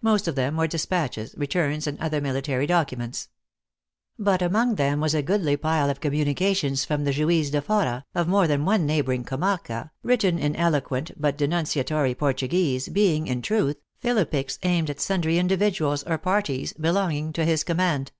Most of them were despatches, returns and other military documents. But among them was a goodly pile of communications from the Juizde fora of more than one neighboring comarca, written in eloquent but denunciatory Portuguese, being, in truth, philippics aimed at sundry individuals or par ties, belonging to his command.